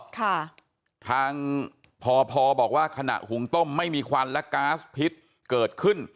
ทางพอพอบอกว่าขณะหุงต้มไม่มีควันและก๊าซพิษเกิดขึ้น